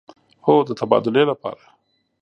هو، د تبادلې لپاره